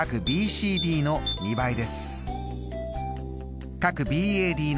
ＢＣＤの２倍です。